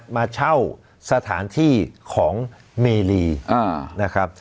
มาเช่าสถานที่ของเมรีนะครับ